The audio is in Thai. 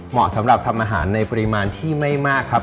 เหมาะสำหรับทำอาหารในปริมาณที่ไม่มากครับ